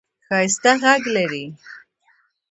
ښایسته ږغ لرې !